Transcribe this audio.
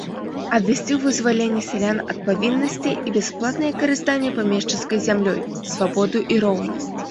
Абвясціў вызваленне сялян ад павіннасцей і бясплатнае карыстанне памешчыцкай зямлёй, свабоду і роўнасць.